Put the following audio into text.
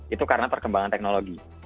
itu karena perkembangan teknologi